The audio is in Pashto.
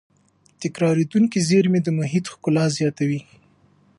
تکرارېدونکې زېرمې د محیط ښکلا زیاتوي.